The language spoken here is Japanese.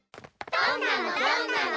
どんなの？